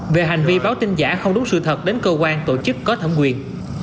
về hành vi báo tin giả không đúng sự thật đến cơ quan tổ chức có thẩm quyền